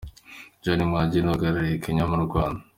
John Mwangemi uhagarariye Kenya mu Rwanda.